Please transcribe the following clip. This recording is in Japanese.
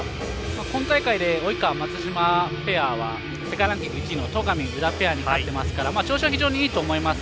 今大会で及川、松島ペアは世界ランキング１位の戸上、宇田ペアに勝っていますから調子はいいと思います。